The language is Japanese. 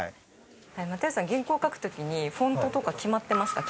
又吉さん原稿書く時にフォントとか決まってますか？